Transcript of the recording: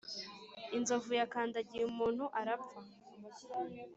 inzovu yakandagiye umuntu arapfa